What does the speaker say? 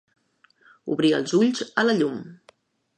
Obrir els ulls a la llum.